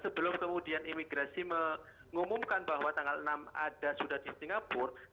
tiga belas tiga belas sebelum kemudian imigrasi mengumumkan bahwa tanggal enam ada sudah di singapura